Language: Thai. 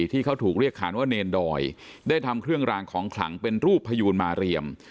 ที่เขาถูกเรียกขานว่าเนรดอยได้ทำเครื่องรางของขลังเป็นรูปพยูนมาเรียม